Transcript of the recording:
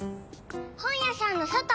ほんやさんのそと。